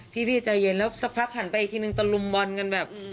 พี่ใจเย็นแล้วสักพักหันไปอีกทีนึงตะลุมบอลกันแบบ